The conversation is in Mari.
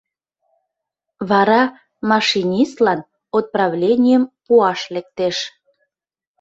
Вара машинистлан отправленийым пуаш лектеш.